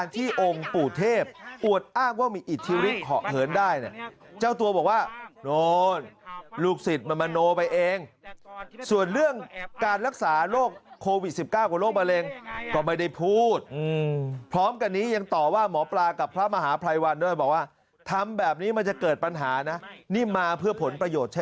ที่องค์ปู่เทพอวดอ้างว่ามีอิทธิฤทธิเหาะเหินได้เนี่ยเจ้าตัวบอกว่าโน้นลูกศิษย์มันมโนไปเองส่วนเรื่องการรักษาโรคโควิด๑๙กับโรคมะเร็งก็ไม่ได้พูดพร้อมกันนี้ยังต่อว่าหมอปลากับพระมหาภัยวันด้วยบอกว่าทำแบบนี้มันจะเกิดปัญหานะนี่มาเพื่อผลประโยชน